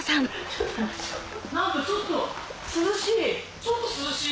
何かちょっと涼しい！